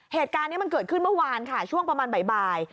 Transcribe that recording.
เหตุการณ์นี้มันเกิดขึ้นเมื่อวานค่ะช่วงประมาณบ่าย